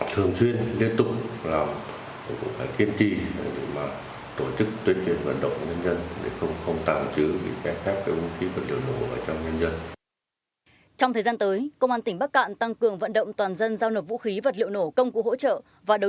thống kê cho thấy năm hai nghìn hai mươi ba lực lượng công an toàn tỉnh bắc cạn đã vận động thu hồi hai trăm sáu mươi chín khẩu súng các loại